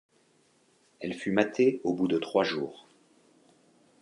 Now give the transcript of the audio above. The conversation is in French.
Elle fut matée au bout de trois jours.